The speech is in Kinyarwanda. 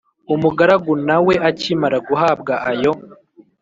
umugaragu nawe akimara guhabwa ayo